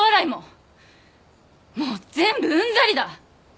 もう全部うんざりだ！